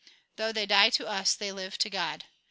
Though they die to us, they live to God.